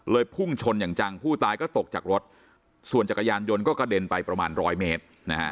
พุ่งชนอย่างจังผู้ตายก็ตกจากรถส่วนจักรยานยนต์ก็กระเด็นไปประมาณร้อยเมตรนะฮะ